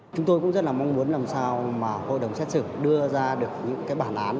chúng tôi cũng rất là mong muốn làm sao mà hội đồng xét xử đưa ra được những cái bản án